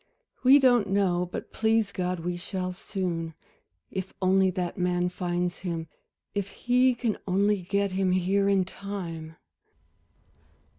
"We don't know, but please God, we shall soon. If only that man finds him, if he can only get him here in time."